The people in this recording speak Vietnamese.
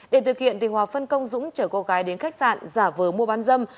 để thực hiện hòa phân công dũng chở cô gái đến khách sạn giả vờ mua bán dâm